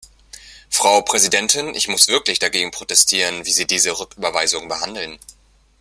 Frau Präsidentin, ich muss wirklich dagegen protestieren, wie Sie diese Rücküberweisung behandeln.